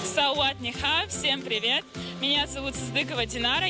สวัสดีค่ะทุกคนสวัสดีครับชื่อซึดึกว่าดินาร่า